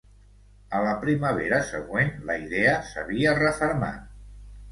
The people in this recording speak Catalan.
A la primavera següent, la idea s'havia refermat.